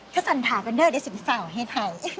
ถ้าสันผ่ากันได้จะสิบเฝ้าให้ไทย